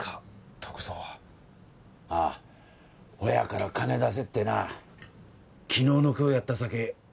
篤蔵はああほやから金出せってな昨日の今日やったさけ